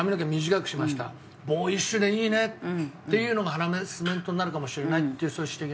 「ボーイッシュでいいね」っていうのがハラスメントになるかもしれないっていうそういう指摘。